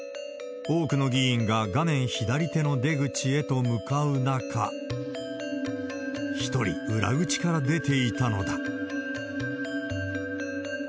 多くの議員が画面左手の出口へと向かう中、１人、裏口から出ていたのだ。